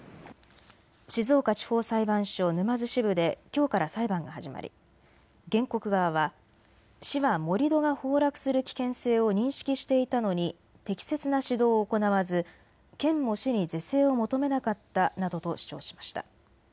静岡地方裁判所沼津支部できょうから裁判が始まり原告側は市は盛り土が崩落する危険性を認識していたのに適切な指導を行わず県も市に是正を求めなかったなどと主張しました。